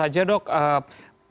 terakhir mungkin singkatnya dok